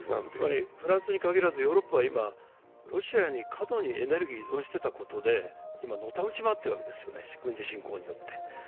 フランスに限らず、ヨーロッパはロシアに過度にエネルギーを依存していたことで今、のたうち回っているわけですよね、軍事侵攻によって。